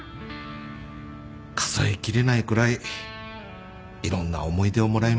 数えきれないくらいいろんな思い出をもらいました